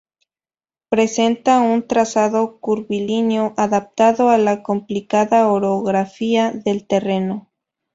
Presenta un trazado curvilíneo, adaptado a la complicada orografía del terreno.